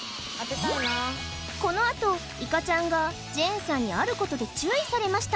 このあといかちゃんがジェーンさんにあることで注意されました